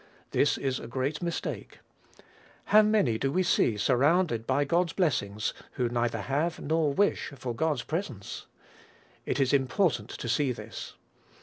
This is a great mistake. How many do we see surrounded by God's blessings, who neither have, nor wish for, God's presence? It is important to see this.